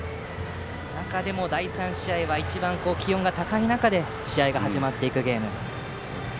中でも第３試合は一番気温が高い中で試合が始まっていくゲーム。